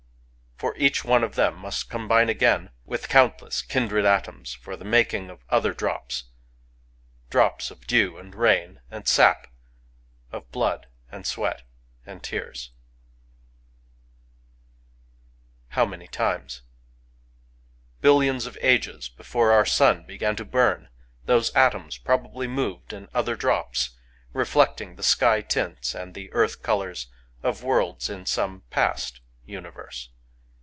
For each one of them must combine again with countless kindred atoms for the making of other drops, — drops of dew and rain and sap, of blood and sweat and tears. ..• Digitized by Googk A DROP OF DEW 175 How many times ? Billions of ages before our sun b^n to burn, those atoms probably moved in other drops, reflecting the sky tints and the earth colours of worlds in some past universe.